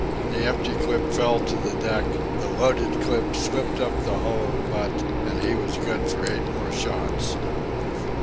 The empty clip fell to the deck, the loaded clip slipped up the hollow butt, and he was good for eight more shots.